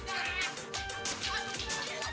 kau yang ngapain